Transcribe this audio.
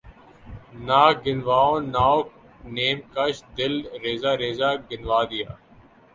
نہ گنواؤ ناوک نیم کش دل ریزہ ریزہ گنوا دیا